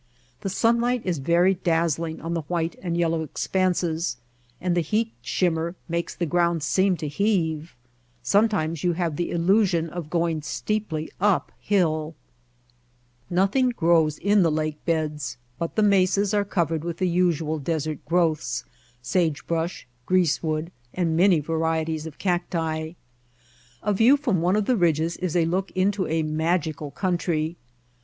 The sunlight is very dazzling on the white and yellow expanses and the heat shimmer makes the White Heart of Mojave ground seem to heave. Sometimes you have the illusion of going steeply up hill. Nothing grows in the lake beds, but the mesas are covered with the usual desert growths, sage brush, greasewood and many varieties of cacti. A view from one of the ridges is a look into a magical country.